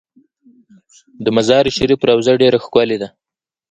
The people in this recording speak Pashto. د مزار شریف روضه ډیره ښکلې ده